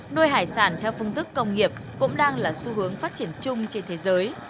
nuôi hải sản theo phương tức công nghiệp cũng đang là xu hướng phát triển chung trên thế giới